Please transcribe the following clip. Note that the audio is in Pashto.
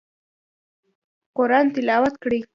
قرآن تلاوت کړئ